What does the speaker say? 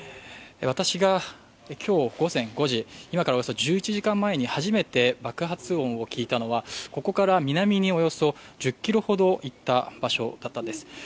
私が今日午前５時、今からおよそ１１時間前に初めて爆発音を聞いたのは、ここから南におよそ１０ｋｍほど行った場所だったんです。